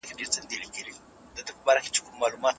د علمي کادرونو لپاره د هڅونې پروګرامونه نه وو.